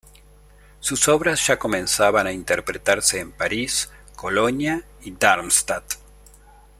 Sus obras ya comenzaban a interpretarse en París, Colonia y Darmstadt.